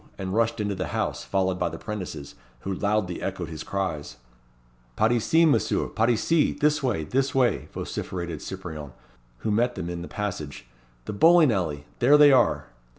and rushed into the house, followed by the 'prentices, who loudly echoed his cries. "Par ici, Messieurs! Par ici! this way, this way!" vociferated Cyprien, who met them in the passage "the bowling alley there they are!"